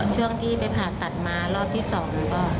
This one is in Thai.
ช่วงที่ไปผ่าตัดมารอบที่๒ก็